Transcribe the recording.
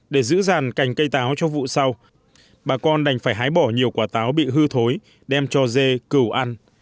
để giữ giàn cành cây táo cho vụ sau bà con đành phải hái bỏ nhiều quả táo bị hư thối đem cho dê cử ăn